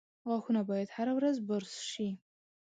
• غاښونه باید هره ورځ برس شي.